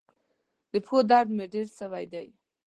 د پښو درد مي ډیر سوی دی.